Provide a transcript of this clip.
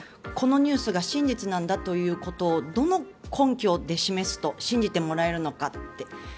このニュースが真実なんだということをどの根拠で示すと信じてもらえるのかって。